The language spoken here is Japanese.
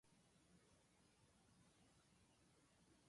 青森県鶴田町